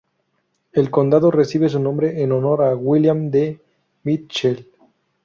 El condado recibe su nombre en honor a William D. Mitchell.